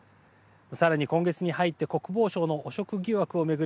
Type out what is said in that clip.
さらに今月に入って国防省の汚職疑惑を巡り